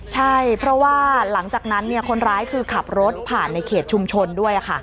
ใช่เพราะว่าหลังจากนั้นคนร้ายคือขับรถผ่านในเขตชุมชนด้วย